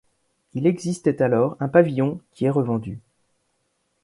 Il existait alors un pavillon qui est revendu.